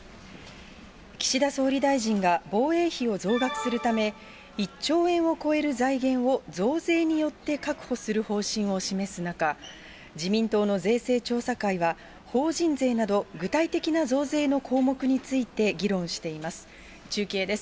岸田総理大臣が防衛費を増額するため、１兆円を超える財源を増税によって確保する方針を示す中、自民党の税制調査会は、法人税など具体的な増税の項目について議論しています。